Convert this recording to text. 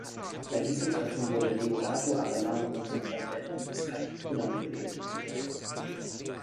Bei diesem Treffen wurde Deodato Arellano zum Präsidenten des Katipunan gewählt.